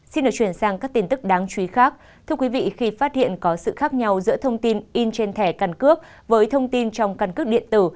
xin được chuyển sang các tin tức đáng chú ý khác thưa quý vị khi phát hiện có sự khác nhau giữa thông tin in trên thẻ căn cước với thông tin trong căn cước điện tử